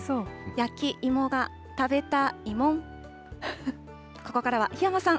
焼き芋が食べたいもん。